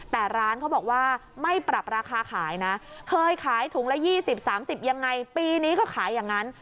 แต่ร้านเขาบอกว่าไม่ปรับราคาขายนะเคยขายถุงละ๒๐๓๐ยังไงปีนี้ก็ขายอย่างนั้น